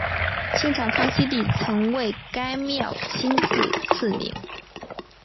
清朝康熙帝曾为该庙亲自赐名。